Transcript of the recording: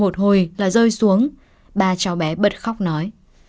chạy xuống ba cháu bé bật khóc nói